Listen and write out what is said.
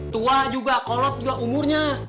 tua juga kolot juga umurnya